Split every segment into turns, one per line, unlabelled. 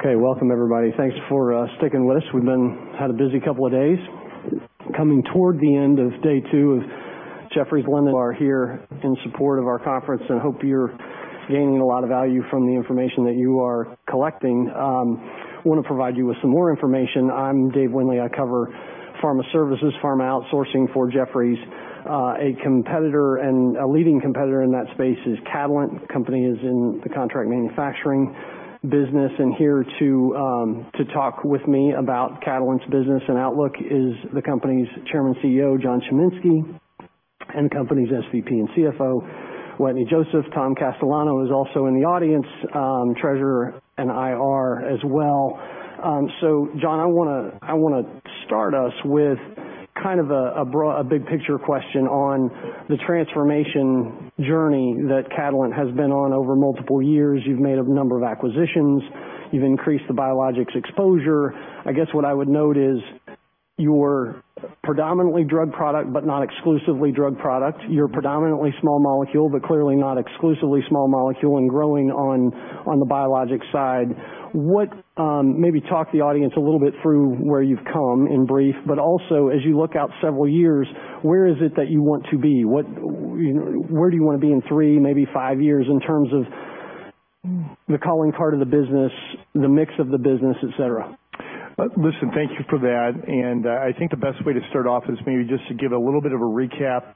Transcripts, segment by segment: Okay, welcome everybody. Thanks for sticking with us. We've had a busy couple of days. Coming toward the end of day two of Jefferies London. We're here in support of our conference and hope you're gaining a lot of value from the information that you are collecting. I want to provide you with some more information. I'm David Windley. I cover pharma services, pharma outsourcing for Jefferies. A competitor and a leading competitor in that space is Catalent. The company is in the contract manufacturing business. And here to talk with me about Catalent's business and outlook is the company's Chairman and CEO, John Chiminski, and the company's SVP and CFO, Wetteny Joseph. Tom Castellano is also in the audience, Treasurer and IR as well. So John, I want to start us with kind of a big picture question on the transformation journey that Catalent has been on over multiple years. You've made a number of acquisitions. You've increased the biologics exposure. I guess what I would note is you're predominantly drug product, but not exclusively drug product. You're predominantly small molecule, but clearly not exclusively small molecule and growing on the biologics side. Maybe talk to the audience a little bit through where you've come in brief, but also as you look out several years, where is it that you want to be? Where do you want to be in three, maybe five years in terms of the calling card of the business, the mix of the business, etc.?
Listen, thank you for that, and I think the best way to start off is maybe just to give a little bit of a recap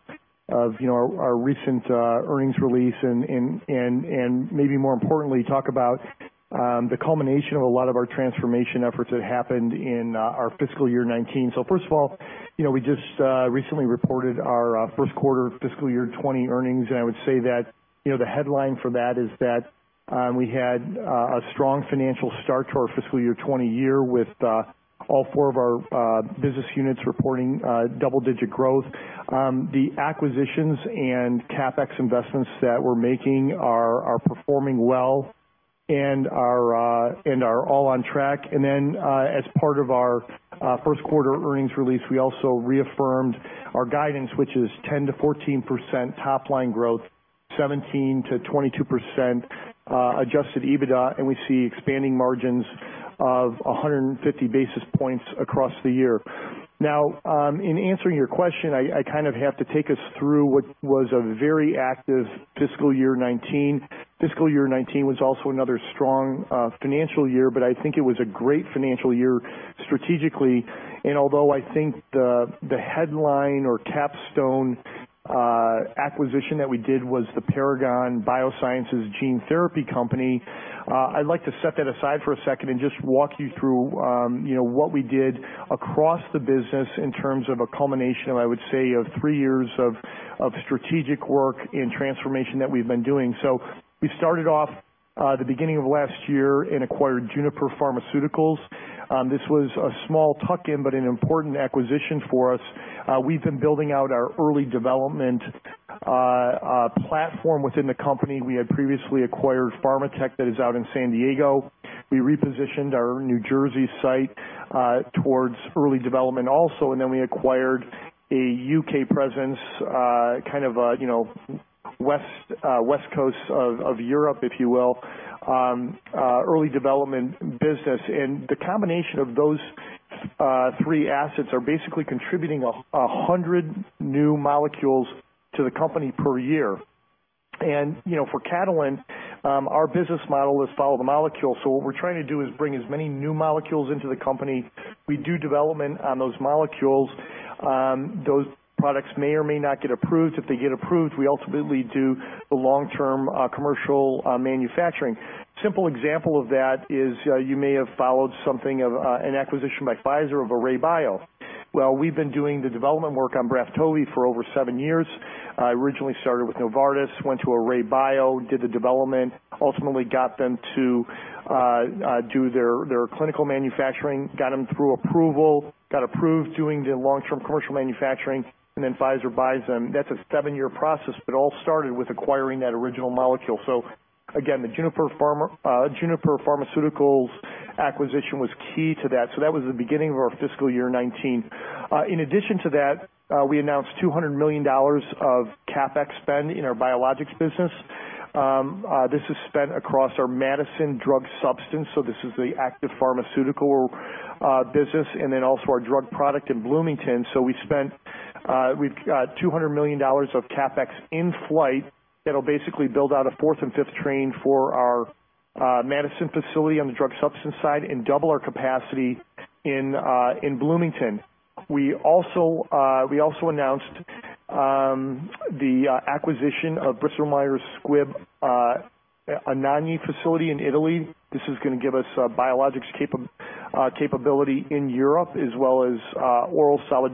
of our recent earnings release and, maybe more importantly, talk about the culmination of a lot of our transformation efforts that happened in our fiscal year 2019, so first of all, we just recently reported our first quarter fiscal year 2020 earnings, and I would say that the headline for that is that we had a strong financial start to our fiscal year 2020 with all four of our business units reporting double-digit growth. The acquisitions and CapEx investments that we're making are performing well and are all on track. And then as part of our first quarter earnings release, we also reaffirmed our guidance, which is 10%-14% top line growth, 17%-22% adjusted EBITDA, and we see expanding margins of 150 basis points across the year. Now, in answering your question, I kind of have to take us through what was a very active fiscal year 2019. Fiscal year 2019 was also another strong financial year, but I think it was a great financial year strategically. And although I think the headline or capstone acquisition that we did was the Paragon Bioservices gene therapy company, I'd like to set that aside for a second and just walk you through what we did across the business in terms of a culmination, I would say, of three years of strategic work and transformation that we've been doing. We started off the beginning of last year and acquired Juniper Pharmaceuticals. This was a small tuck-in, but an important acquisition for us. We've been building out our early development platform within the company. We had previously acquired Pharmatek that is out in San Diego. We repositioned our New Jersey site towards early development also. And then we acquired a U.K. presence, kind of West Coast of Europe, if you will, early development business. And the combination of those three assets are basically contributing 100 new molecules to the company per year. And for Catalent, our business model is follow the molecule. So what we're trying to do is bring as many new molecules into the company. We do development on those molecules. Those products may or may not get approved. If they get approved, we ultimately do the long-term commercial manufacturing. Simple example of that is you may have followed something of an acquisition by Pfizer of Array BioPharma. We've been doing the development work on Braftovi for over seven years. I originally started with Novartis, went to Array BioPharma, did the development, ultimately got them to do their clinical manufacturing, got them through approval, got approved doing the long-term commercial manufacturing, and then Pfizer buys them. That's a seven-year process, but it all started with acquiring that original molecule. Again, the Juniper Pharmaceuticals acquisition was key to that. That was the beginning of our fiscal year 2019. In addition to that, we announced $200 million of CapEx spend in our biologics business. This is spent across our Madison drug substance. This is the active pharmaceutical business and then also our drug product in Bloomington. We've got $200 million of CapEx in flight that'll basically build out a fourth and fifth train for our Madison facility on the drug substance side and double our capacity in Bloomington. We also announced the acquisition of Bristol-Myers Squibb Anagni facility in Italy. This is going to give us biologics capability in Europe as well as oral solid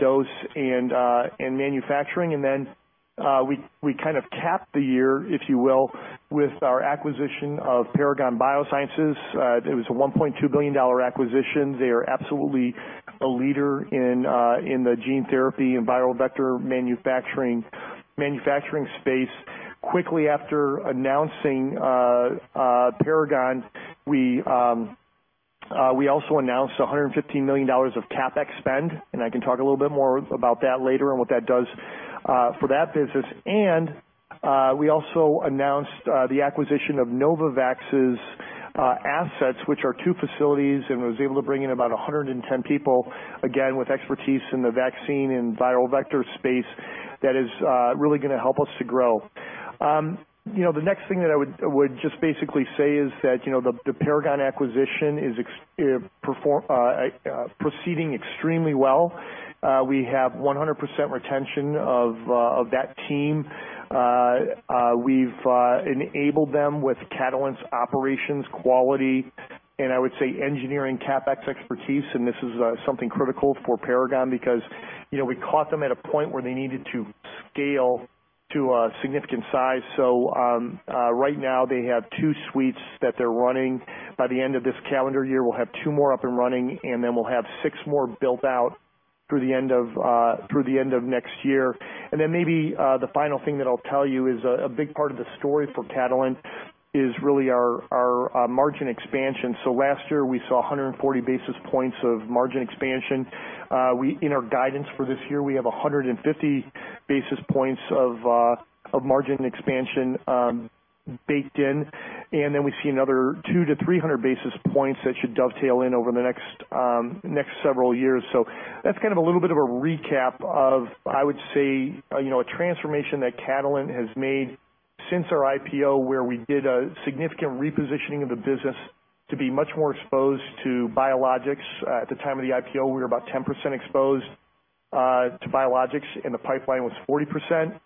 dose and manufacturing. Then we kind of capped the year, if you will, with our acquisition of Paragon Bioservices. It was a $1.2 billion acquisition. They are absolutely a leader in the gene therapy and viral vector manufacturing space. Quickly after announcing Paragon, we also announced $115 million of CapEx spend. I can talk a little bit more about that later and what that does for that business. We also announced the acquisition of Novavax's assets, which are two facilities, and was able to bring in about 110 people, again, with expertise in the vaccine and viral vector space that is really going to help us to grow. The next thing that I would just basically say is that the Paragon acquisition is proceeding extremely well. We have 100% retention of that team. We've enabled them with Catalent's operations, quality, and I would say engineering CapEx expertise. This is something critical for Paragon because we caught them at a point where they needed to scale to a significant size. Right now, they have two suites that they're running. By the end of this calendar year, we'll have two more up and running, and then we'll have six more built out through the end of next year. And then maybe the final thing that I'll tell you is a big part of the story for Catalent is really our margin expansion. So last year, we saw 140 basis points of margin expansion. In our guidance for this year, we have 150 basis points of margin expansion baked in. And then we see another two to 300 basis points that should dovetail in over the next several years. So that's kind of a little bit of a recap of, I would say, a transformation that Catalent has made since our IPO where we did a significant repositioning of the business to be much more exposed to biologics. At the time of the IPO, we were about 10% exposed to biologics, and the pipeline was 40%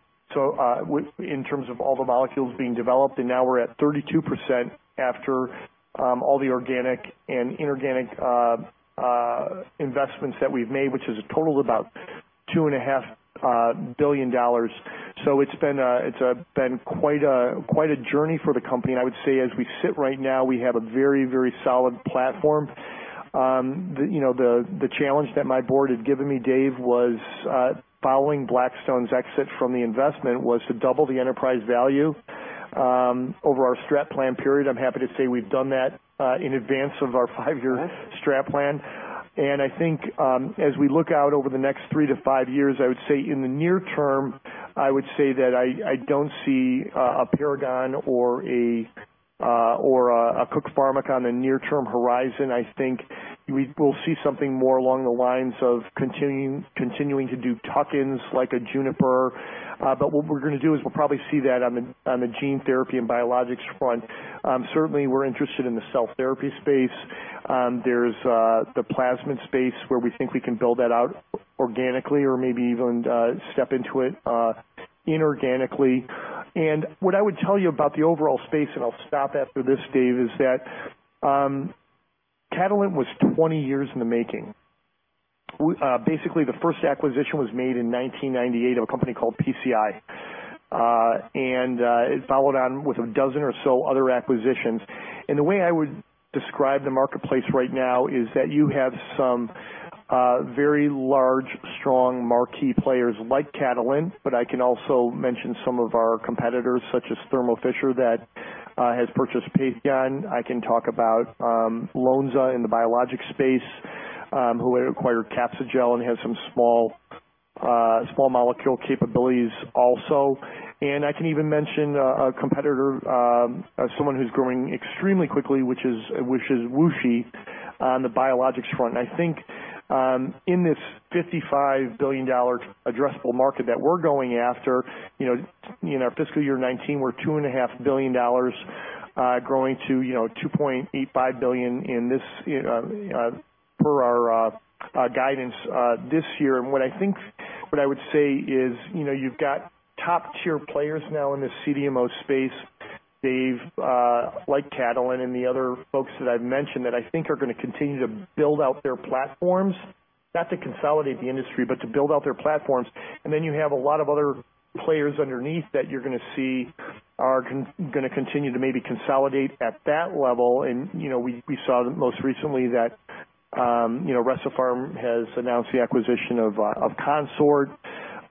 in terms of all the molecules being developed. And now we're at 32% after all the organic and inorganic investments that we've made, which is a total of about $2.5 billion. So it's been quite a journey for the company. And I would say as we sit right now, we have a very, very solid platform. The challenge that my board had given me, Dave, was following Blackstone's exit from the investment was to double the enterprise value over our strat plan period. I'm happy to say we've done that in advance of our five-year strat plan. And I think as we look out over the next three to five years, I would say in the near term, I would say that I don't see a Paragon or a Cook Pharmica on the near-term horizon. I think we will see something more along the lines of continuing to do tuck-ins like a Juniper. But what we're going to do is we'll probably see that on the gene therapy and biologics front. Certainly, we're interested in the cell therapy space. There's the plasmid space where we think we can build that out organically or maybe even step into it inorganically. And what I would tell you about the overall space, and I'll stop after this, Dave, is that Catalent was 20 years in the making. Basically, the first acquisition was made in 1998 of a company called PCI. And it followed on with a dozen or so other acquisitions. And the way I would describe the marketplace right now is that you have some very large, strong marquee players like Catalent, but I can also mention some of our competitors such as Thermo Fisher that has purchased Patheon. I can talk about Lonza in the biologics space who acquired Capsugel and has some small molecule capabilities also, and I can even mention a competitor, someone who's growing extremely quickly, which is WuXi Biologics on the biologics front, and I think in this $55 billion addressable market that we're going after, in our fiscal year 2019, we're $2.5 billion growing to $2.85 billion per our guidance this year, and what I think, what I would say is you've got top-tier players now in the CDMO space, Dave, like Catalent and the other folks that I've mentioned that I think are going to continue to build out their platforms, not to consolidate the industry, but to build out their platforms, and then you have a lot of other players underneath that you're going to see are going to continue to maybe consolidate at that level. We saw most recently that Recipharm has announced the acquisition of Consort.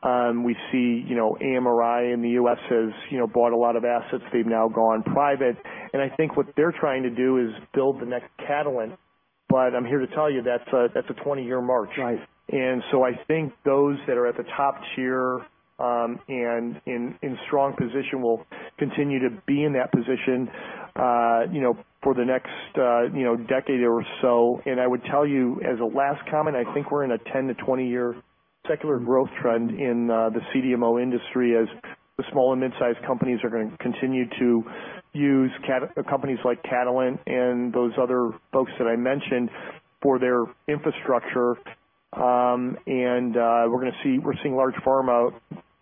We see AMRI in the U.S. has bought a lot of assets. They've now gone private. And I think what they're trying to do is build the next Catalent. But I'm here to tell you that's a 20-year march. And so I think those that are at the top tier and in strong position will continue to be in that position for the next decade or so. And I would tell you as a last comment, I think we're in a 10-20-year secular growth trend in the CDMO industry as the small and mid-sized companies are going to continue to use companies like Catalent and those other folks that I mentioned for their infrastructure. And we're going to see large pharma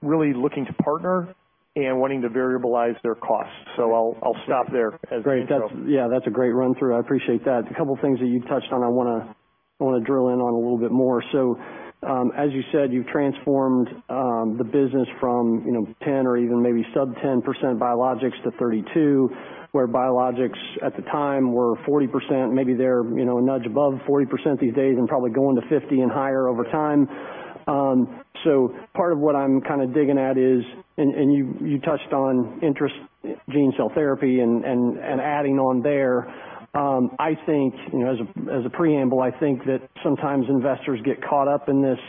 really looking to partner and wanting to variabilize their costs. So I'll stop there as we go.
Great. Yeah, that's a great run-through. I appreciate that. A couple of things that you touched on, I want to drill in on a little bit more. So as you said, you've transformed the business from 10% or even maybe sub-10% biologics to 32%, where biologics at the time were 40%, maybe they're a nudge above 40% these days and probably going to 50% and higher over time. So part of what I'm kind of digging at is, and you touched on interest, gene cell therapy and adding on there. I think as a preamble, I think that sometimes investors get caught up in this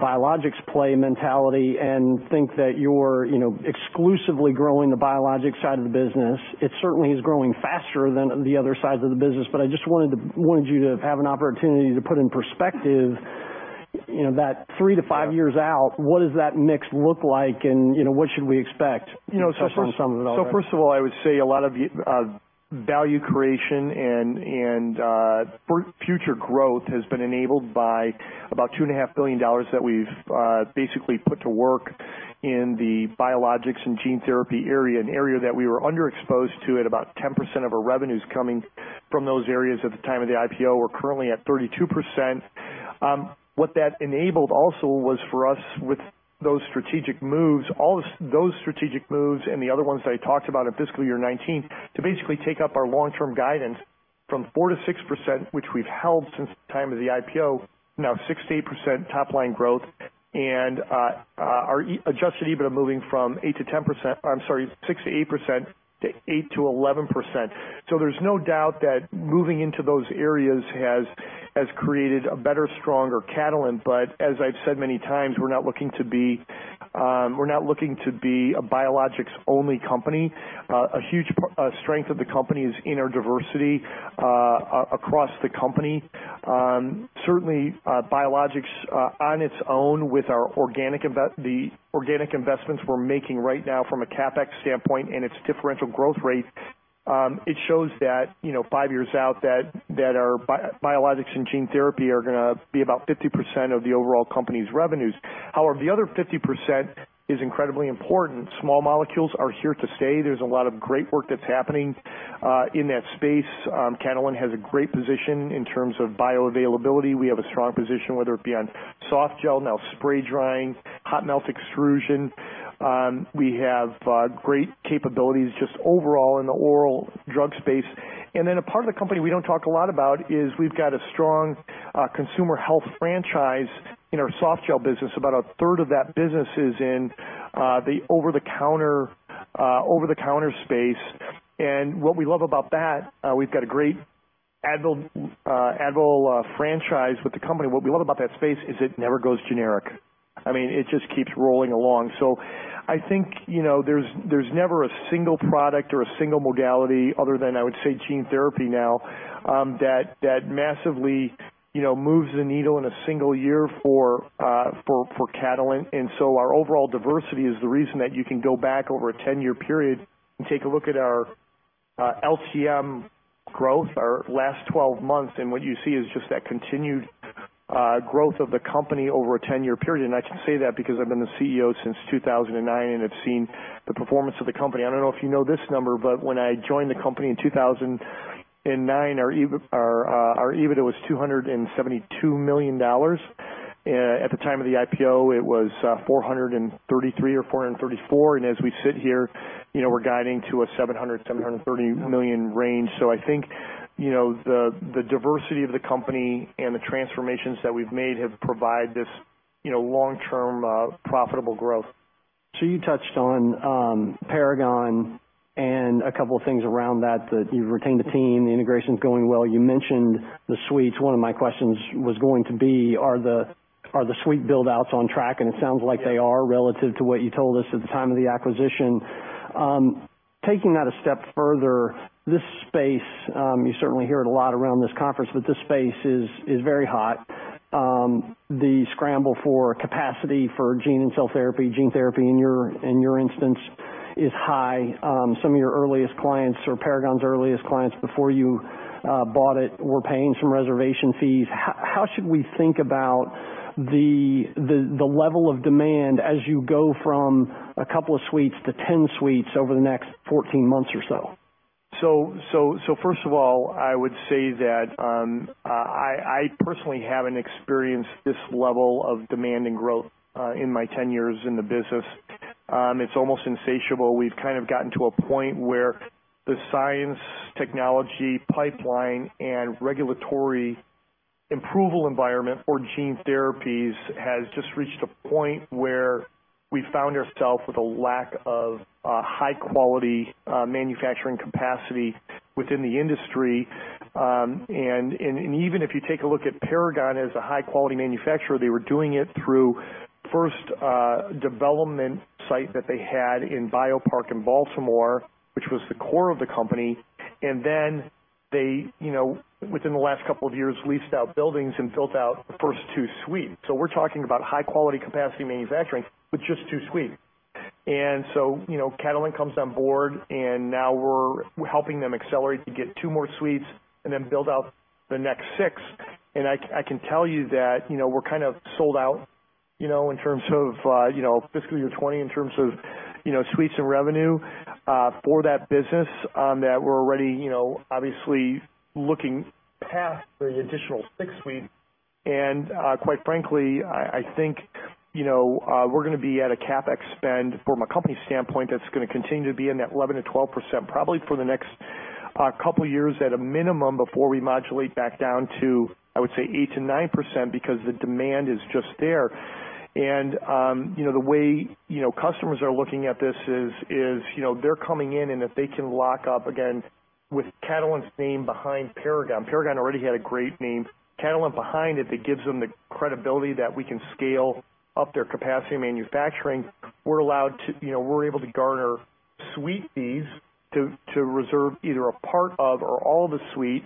biologics play mentality and think that you're exclusively growing the biologics side of the business. It certainly is growing faster than the other sides of the business. But I just wanted you to have an opportunity to put in perspective that three to five years out, what does that mix look like and what should we expect based on some of it also?
First of all, I would say a lot of value creation and future growth has been enabled by about $2.5 billion that we've basically put to work in the biologics and gene therapy area, an area that we were underexposed to at about 10% of our revenues coming from those areas at the time of the IPO. We're currently at 32%. What that enabled also was for us with those strategic moves, all those strategic moves and the other ones that I talked about in fiscal year 2019 to basically take up our long-term guidance from 4%-6%, which we've held since the time of the IPO, now 6%-8% top-line growth and our Adjusted EBITDA moving from 8%-10%, I'm sorry, 6%-8% to 8%-11%. There's no doubt that moving into those areas has created a better, stronger Catalent. But as I've said many times, we're not looking to be a biologics-only company. A huge strength of the company is in our diversity across the company. Certainly, biologics on its own with the organic investments we're making right now from a CapEx standpoint and its differential growth rate, it shows that five years out that our biologics and gene therapy are going to be about 50% of the overall company's revenues. However, the other 50% is incredibly important. Small molecules are here to stay. There's a lot of great work that's happening in that space. Catalent has a great position in terms of bioavailability. We have a strong position, whether it be on softgel, now spray drying, hot melt extrusion. We have great capabilities just overall in the oral drug space. Then a part of the company we don't talk a lot about is we've got a strong consumer health franchise in our softgel business. About a third of that business is in the over-the-counter space. What we love about that, we've got a great Advil franchise with the company. What we love about that space is it never goes generic. I mean, it just keeps rolling along. I think there's never a single product or a single modality other than, I would say, gene therapy now that massively moves the needle in a single year for Catalent. Our overall diversity is the reason that you can go back over a 10-year period and take a look at our LTM growth, our last 12 months. What you see is just that continued growth of the company over a 10-year period. I can say that because I've been the CEO since 2009 and have seen the performance of the company. I don't know if you know this number, but when I joined the company in 2009, our EBITDA was $272 million. At the time of the IPO, it was $433 million or $434 million. As we sit here, we're guiding to a $700-$730 million range. I think the diversity of the company and the transformations that we've made have provided this long-term profitable growth.
You touched on Paragon and a couple of things around that, that you've retained the team, the integration's going well. You mentioned the suites. One of my questions was going to be, are the suite buildouts on track? It sounds like they are relative to what you told us at the time of the acquisition. Taking that a step further, this space, you certainly hear it a lot around this conference, but this space is very hot. The scramble for capacity for gene and cell therapy, gene therapy in your instance is high. Some of your earliest clients or Paragon's earliest clients before you bought it were paying some reservation fees. How should we think about the level of demand as you go from a couple of suites to 10 suites over the next 14 months or so?
So first of all, I would say that I personally haven't experienced this level of demand and growth in my 10 years in the business. It's almost insatiable. We've kind of gotten to a point where the science, technology, pipeline, and regulatory approval environment for gene therapies has just reached a point where we found ourselves with a lack of high-quality manufacturing capacity within the industry. And even if you take a look at Paragon as a high-quality manufacturer, they were doing it through their first development site that they had in BioPark in Baltimore, which was the core of the company, and then they, within the last couple of years, leased out buildings and built out the first two suites. So we're talking about high-quality manufacturing capacity with just two suites. Catalent comes on board, and now we're helping them accelerate to get two more suites and then build out the next six. I can tell you that we're kind of sold out in terms of fiscal year 2020 in terms of suites and revenue for that business that we're already obviously looking past the additional six suites. Quite frankly, I think we're going to be at a CapEx spend from a company standpoint that's going to continue to be in that 11%-12% probably for the next couple of years at a minimum before we modulate back down to, I would say, 8%-9% because the demand is just there. The way customers are looking at this is they're coming in, and if they can lock up, again, with Catalent's name behind Paragon. Paragon already had a great name. Catalent behind it, that gives them the credibility that we can scale up their capacity manufacturing. We're able to garner suite fees to reserve either a part of or all of the suite,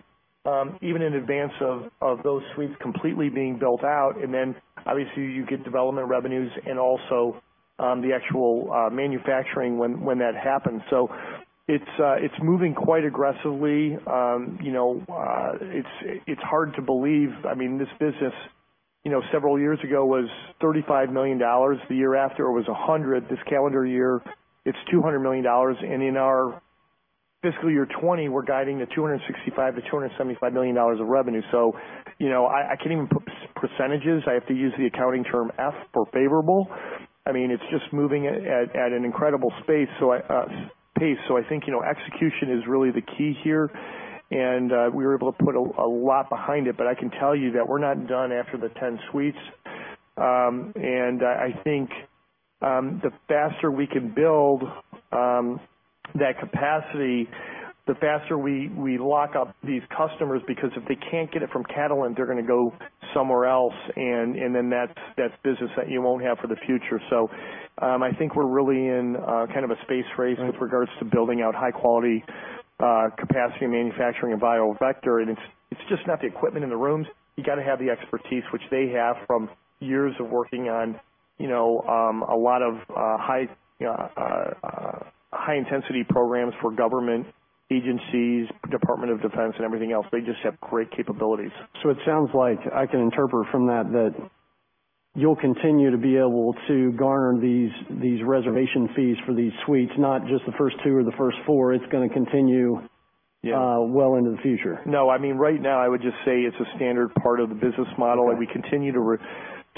even in advance of those suites completely being built out. And then obviously, you get development revenues and also the actual manufacturing when that happens. So it's moving quite aggressively. It's hard to believe. I mean, this business several years ago was $35 million. The year after it was $100 million. This calendar year, it's $200 million. And in our fiscal year 2020, we're guiding to $265-$275 million of revenue. So I can't even put percentages. I have to use the accounting term F for favorable. I mean, it's just moving at an incredible pace. So I think execution is really the key here. We were able to put a lot behind it. I can tell you that we're not done after the 10 suites. I think the faster we can build that capacity, the faster we lock up these customers because if they can't get it from Catalent, they're going to go somewhere else. Then that's business that you won't have for the future. I think we're really in kind of a space race with regards to building out high-quality capacity manufacturing and viral vector. It's just not the equipment in the rooms. You got to have the expertise, which they have from years of working on a lot of high-intensity programs for government agencies, Department of Defense, and everything else. They just have great capabilities.
So it sounds like, I can interpret from that, that you'll continue to be able to garner these reservation fees for these suites, not just the first two or the first four. It's going to continue well into the future.
No. I mean, right now, I would just say it's a standard part of the business model. We continue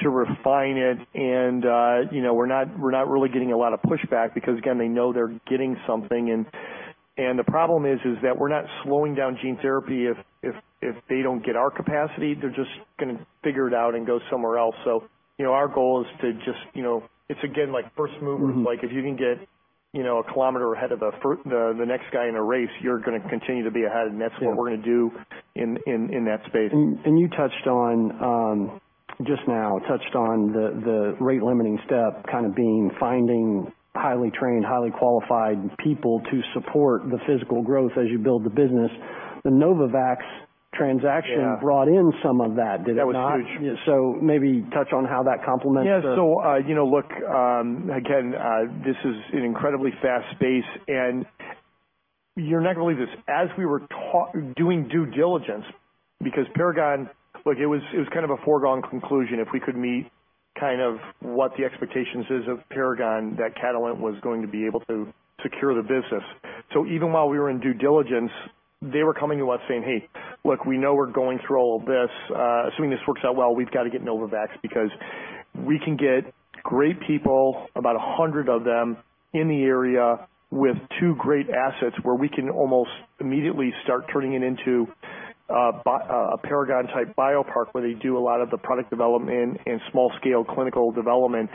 to refine it, and we're not really getting a lot of pushback because, again, they know they're getting something, and the problem is that we're not slowing down gene therapy. If they don't get our capacity, they're just going to figure it out and go somewhere else. So our goal is just, it's again like first movers. If you can get a kilometer ahead of the next guy in a race, you're going to continue to be ahead, and that's what we're going to do in that space.
You touched on just now the rate-limiting step kind of being finding highly trained, highly qualified people to support the physical growth as you build the business. The Novavax transaction brought in some of that. Did it not?
That was huge.
So maybe touch on how that complements that.
Yeah. So look, again, this is an incredibly fast space. And you're not going to believe this. As we were doing due diligence, because Paragon, look, it was kind of a foregone conclusion if we could meet kind of what the expectations is of Paragon that Catalent was going to be able to secure the business. So even while we were in due diligence, they were coming to us saying, "Hey, look, we know we're going through all of this. Assuming this works out well, we've got to get Novavax because we can get great people, about 100 of them in the area with two great assets where we can almost immediately start turning it into a Paragon-type BioPark where they do a lot of the product development and small-scale clinical development.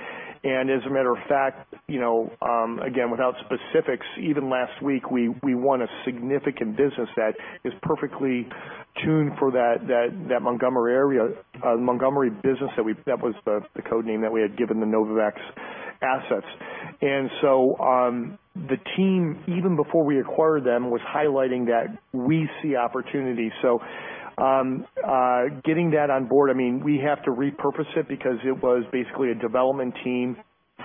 And as a matter of fact, again, without specifics, even last week, we won a significant business that is perfectly tuned for that Montgomery area, Montgomery business that was the code name that we had given the Novavax assets. And so the team, even before we acquired them, was highlighting that we see opportunity. So getting that on board, I mean, we have to repurpose it because it was basically a development team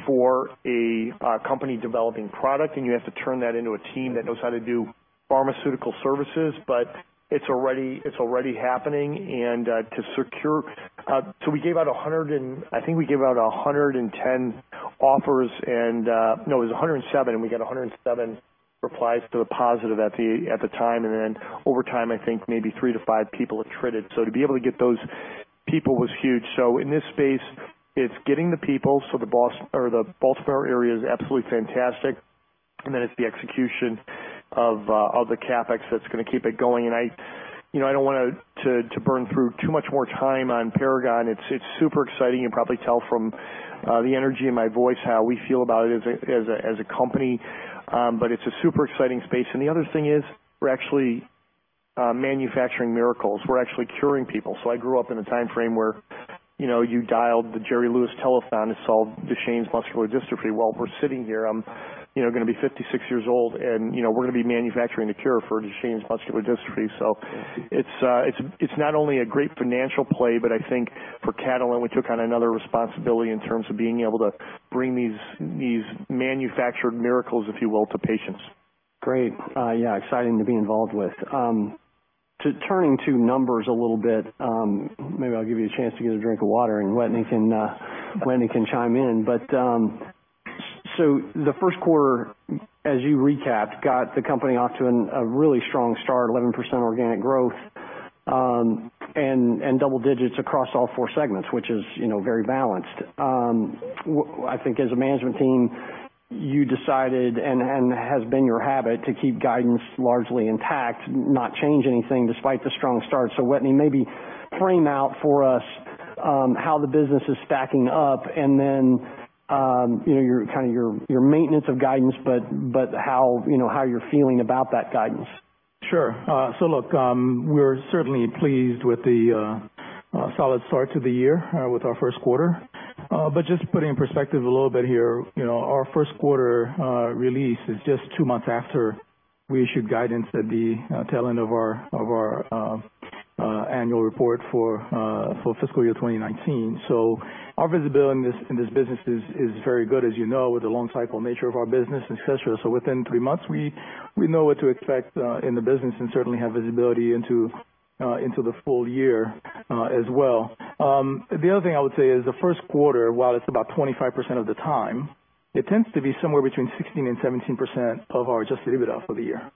for a company developing product. And you have to turn that into a team that knows how to do pharmaceutical services. But it's already happening. And to secure, we gave out 100, and I think we gave out 110 offers, and no, it was 107. We got 107 replies to the positive at the time. And then over time, I think maybe three to five people have traded. So to be able to get those people was huge. So in this space, it's getting the people. The Baltimore area is absolutely fantastic. And then it's the execution of the CapEx that's going to keep it going. And I don't want to burn through too much more time on Paragon. It's super exciting. You can probably tell from the energy in my voice how we feel about it as a company. But it's a super exciting space. And the other thing is we're actually manufacturing miracles. We're actually curing people. I grew up in a time frame where you dialed the Jerry Lewis Telethon to solve Duchenne's muscular dystrophy. We're sitting here. I'm going to be 56 years old. We're going to be manufacturing the cure for Duchenne's muscular dystrophy. It's not only a great financial play, but I think for Catalent, we took on another responsibility in terms of being able to bring these manufactured miracles, if you will, to patients. Great. Yeah. Exciting to be involved with. Turning to numbers a little bit, maybe I'll give you a chance to get a drink of water and let anyone chime in. But so the first quarter, as you recapped, got the company off to a really strong start, 11% organic growth and double digits across all four segments, which is very balanced. I think as a management team, you decided and has been your habit to keep guidance largely intact, not change anything despite the strong start. So Wetteny, maybe frame out for us how the business is stacking up and then kind of your maintenance of guidance, but how you're feeling about that guidance.
Sure. So look, we're certainly pleased with the solid start to the year with our first quarter. But just putting in perspective a little bit here, our first quarter release is just two months after we issued guidance at the tail end of our annual report for fiscal year 2019. So our visibility in this business is very good, as you know, with the long-cycle nature of our business, etc. So within three months, we know what to expect in the business and certainly have visibility into the full year as well. The other thing I would say is the first quarter, while it's about 25% of the time, it tends to be somewhere between 16%-17% of our Adjusted EBITDA for the year.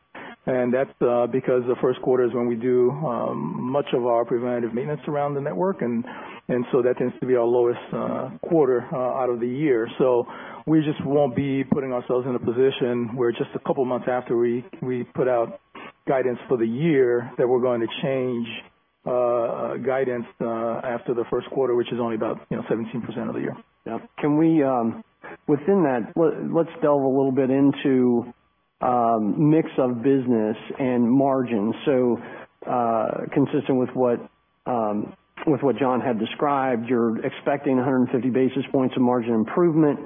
And that's because the first quarter is when we do much of our preventative maintenance around the network. And so that tends to be our lowest quarter out of the year. So we just won't be putting ourselves in a position where just a couple of months after we put out guidance for the year that we're going to change guidance after the first quarter, which is only about 17% of the year.
Can we, within that, let's delve a little bit into mix of business and margin. So consistent with what John had described, you're expecting 150 basis points of margin improvement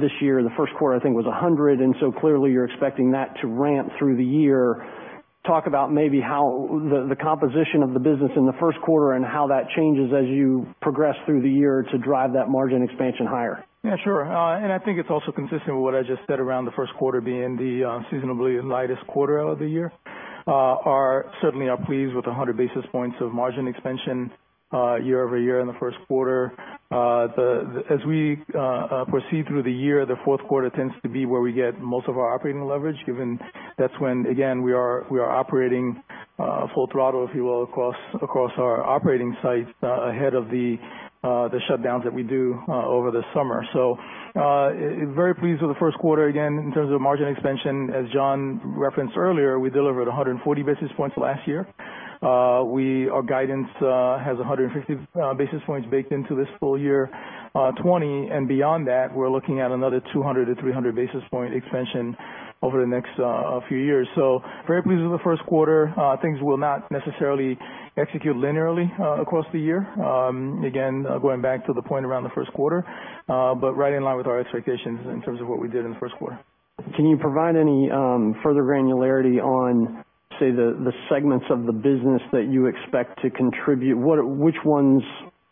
this year. The first quarter, I think, was 100. And so clearly, you're expecting that to ramp through the year. Talk about maybe how the composition of the business in the first quarter and how that changes as you progress through the year to drive that margin expansion higher.
Yeah, sure. And I think it's also consistent with what I just said around the first quarter being the seasonally lightest quarter of the year. Certainly, we are pleased with 100 basis points of margin expansion year over year in the first quarter. As we proceed through the year, the fourth quarter tends to be where we get most of our operating leverage, given that's when, again, we are operating full throttle, if you will, across our operating sites ahead of the shutdowns that we do over the summer. So very pleased with the first quarter, again, in terms of margin expansion. As John referenced earlier, we delivered 140 basis points last year. Our guidance has 150 basis points baked into this full year, 2020. And beyond that, we're looking at another 200 to 300 basis point expansion over the next few years. So very pleased with the first quarter. Things will not necessarily execute linearly across the year, again, going back to the point around the first quarter, but right in line with our expectations in terms of what we did in the first quarter.
Can you provide any further granularity on, say, the segments of the business that you expect to contribute? Which ones,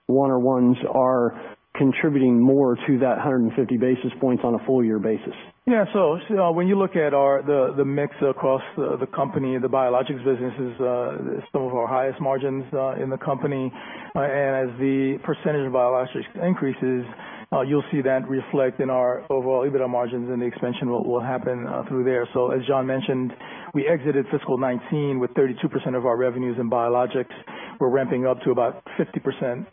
one or ones, are contributing more to that 150 basis points on a full year basis?
Yeah. So when you look at the mix across the company, the biologics business is some of our highest margins in the company. And as the percentage of biologics increases, you'll see that reflect in our overall EBITDA margins and the expansion will happen through there. So as John mentioned, we exited fiscal 2019 with 32% of our revenues in biologics. We're ramping up to about 50%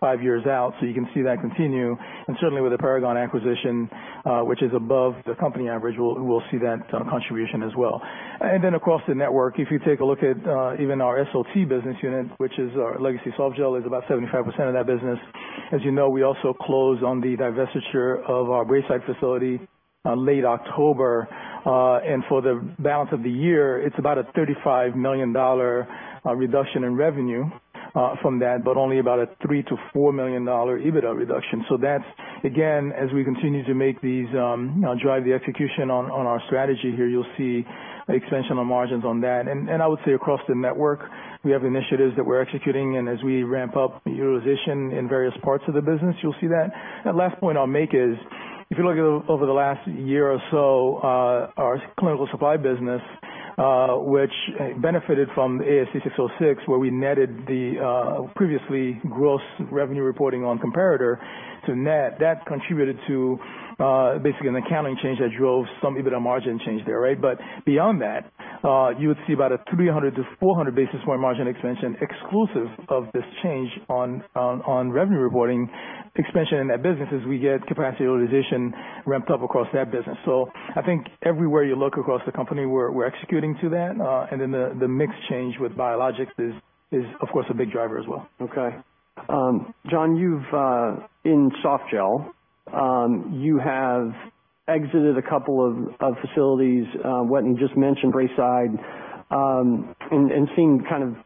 five years out. So you can see that continue. And certainly, with the Paragon acquisition, which is above the company average, we'll see that contribution as well. And then across the network, if you take a look at even our SOT business unit, which is our legacy softgel, is about 75% of that business. As you know, we also closed on the divestiture of our Braeside facility late October. For the balance of the year, it's about a $35 million reduction in revenue from that, but only about a $3-$4 million EBITDA reduction. That's, again, as we continue to make these drive the execution on our strategy here, you'll see expansion on margins on that. I would say across the network, we have initiatives that we're executing. As we ramp up utilization in various parts of the business, you'll see that. That last point I'll make is if you look at over the last year or so, our clinical supply business, which benefited from ASC 606, where we netted the previously gross revenue reporting on comparator to net, that contributed to basically an accounting change that drove some EBITDA margin change there. Right? But beyond that, you would see about a 300-400 basis point margin expansion exclusive of this change on revenue reporting expansion in that business as we get capacity utilization ramped up across that business. So I think everywhere you look across the company, we're executing to that. And then the mix change with biologics is, of course, a big driver as well.
Okay. John, in softgel, you have exited a couple of facilities. Wetteny just mentioned Braeside and seemed kind of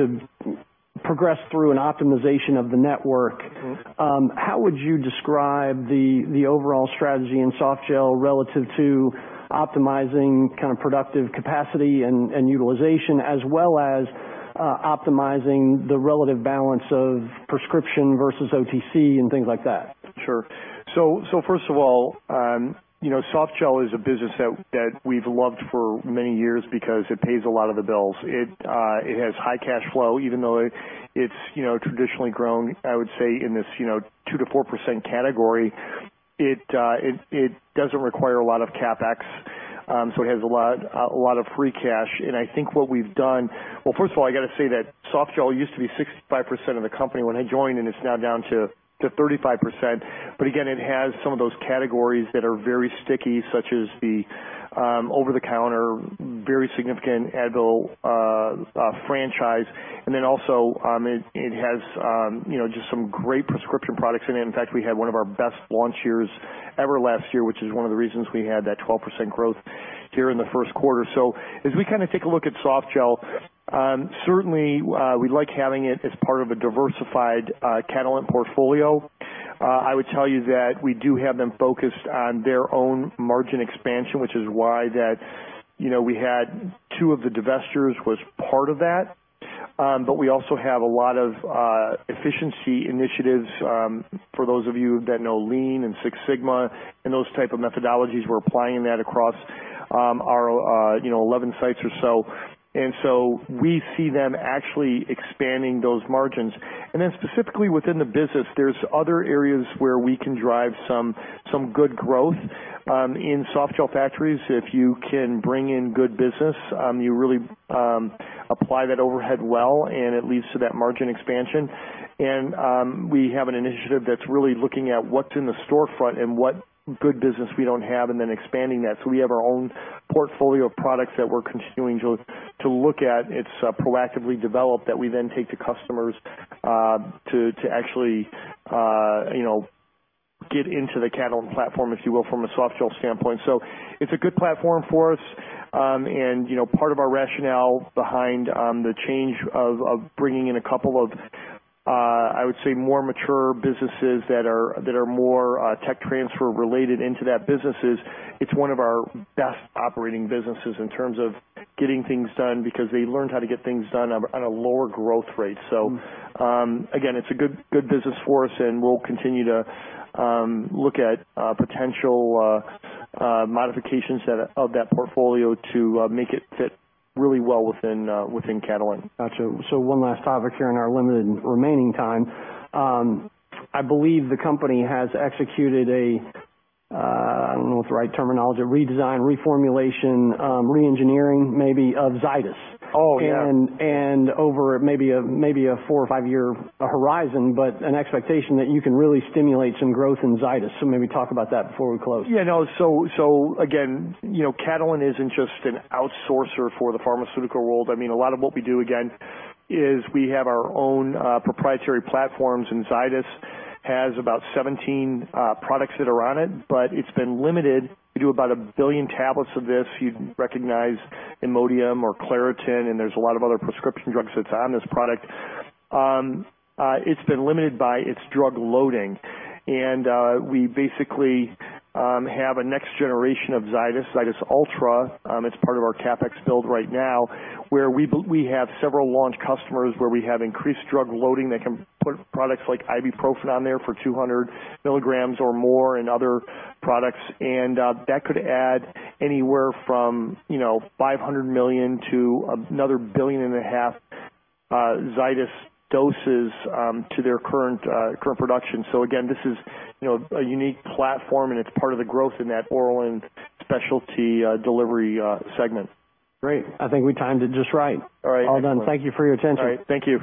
to progress through an optimization of the network. How would you describe the overall strategy in softgel relative to optimizing kind of productive capacity and utilization, as well as optimizing the relative balance of prescription versus OTC and things like that?
Sure. So first of all, softgel is a business that we've loved for many years because it pays a lot of the bills. It has high cash flow. Even though it's traditionally grown, I would say, in this 2%-4% category, it doesn't require a lot of CapEx. So it has a lot of free cash. And I think what we've done well, first of all, I got to say that softgel used to be 65% of the company when I joined, and it's now down to 35%. But again, it has some of those categories that are very sticky, such as the over-the-counter, very significant Advil franchise. And then also, it has just some great prescription products in it. In fact, we had one of our best launch years ever last year, which is one of the reasons we had that 12% growth here in the first quarter. So as we kind of take a look at softgel, certainly, we'd like having it as part of a diversified Catalent portfolio. I would tell you that we do have them focused on their own margin expansion, which is why that we had two of the divestitures was part of that. But we also have a lot of efficiency initiatives. For those of you that know Lean and Six Sigma and those type of methodologies, we're applying that across our 11 sites or so. And so we see them actually expanding those margins. And then specifically within the business, there's other areas where we can drive some good growth. In softgel factories, if you can bring in good business, you really apply that overhead well, and it leads to that margin expansion, and we have an initiative that's really looking at what's in the storefront and what good business we don't have and then expanding that, so we have our own portfolio of products that we're continuing to look at. It's proactively developed that we then take to customers to actually get into the Catalent platform, if you will, from a softgel standpoint, so it's a good platform for us, and part of our rationale behind the change of bringing in a couple of, I would say, more mature businesses that are more tech transfer related into that business is it's one of our best operating businesses in terms of getting things done because they learned how to get things done on a lower growth rate. So again, it's a good business for us, and we'll continue to look at potential modifications of that portfolio to make it fit really well within Catalent.
Gotcha. So one last topic here in our limited remaining time. I believe the company has executed a, I don't know what the right terminology is, redesign, reformulation, reengineering, maybe, of Zydis.
Oh, yeah.
And over maybe a four- or five-year horizon, but an expectation that you can really stimulate some growth in Zydis. So maybe talk about that before we close.
Yeah. No. So again, Catalent isn't just an outsourcer for the pharmaceutical world. I mean, a lot of what we do, again, is we have our own proprietary platforms, and Zydis has about 17 products that are on it, but it's been limited. We do about a billion tablets of this. You recognize Imodium or Claritin, and there's a lot of other prescription drugs that's on this product. It's been limited by its drug loading. And we basically have a next generation of Zydis, Zydis Ultra. It's part of our CapEx build right now, where we have several launch customers where we have increased drug loading that can put products like ibuprofen on there for 200 milligrams or more and other products. And that could add anywhere from 500 million to another billion and a half Zydis doses to their current production. So again, this is a unique platform, and it's part of the growth in that oral and specialty delivery segment.
Great. I think we timed it just right.
All right.
All done. Thank you for your attention.
All right. Thank you.